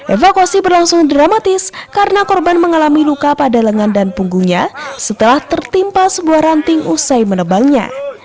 evakuasi berlangsung dramatis karena korban mengalami luka pada lengan dan punggungnya setelah tertimpa sebuah ranting usai menebangnya